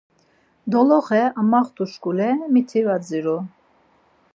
Doloxe amaxtuşkule miti var dziru.